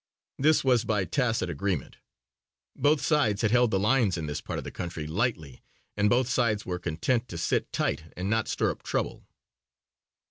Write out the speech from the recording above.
This was by tacit agreement. Both sides had held the lines in this part of the country lightly and both sides were content to sit tight and not stir up trouble.